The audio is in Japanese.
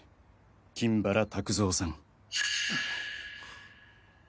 金原卓三さん。